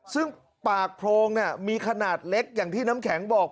ซึ่งปากโพรงมีขนาดเล็กอย่างที่น้ำแข็งบอก